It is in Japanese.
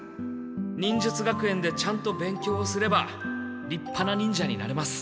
忍術学園でちゃんと勉強すればりっぱな忍者になれます。